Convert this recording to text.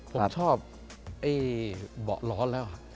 ผมชอบไอ้เบาะร้อนแล้ว